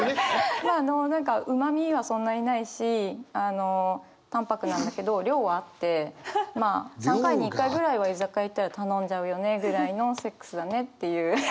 まああの何かうまみはそんなにないし淡泊なんだけど量はあってまあ３回に１回ぐらいは居酒屋行ったら頼んじゃうよねぐらいのセックスだねっていう。